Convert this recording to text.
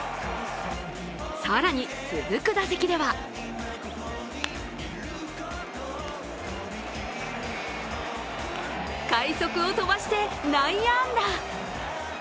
更に、続く打席では快足を飛ばして内野安打。